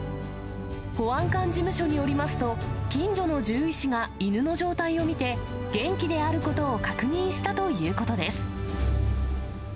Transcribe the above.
保安官事務所によりますと、近所の獣医師が犬の状態を診て、元気であることを確認したということです。